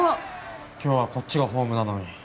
今日はこっちがホームなのに。